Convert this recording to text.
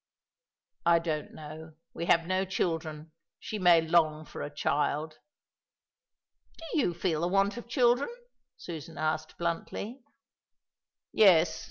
"I don't know. We have no children. She may long for a child." "Do you feel the want of children?" Susan asked bluntly. "Yes.